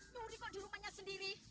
nyuri kok di rumahnya sendiri